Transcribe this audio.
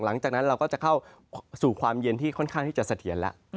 หลังจากนั้นเราก็จะเข้าสู่ความเย็นที่ค่อนข้างที่จะเสถียรแล้ว